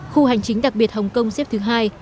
khu hành chính đặc biệt hồng kông xếp thứ hai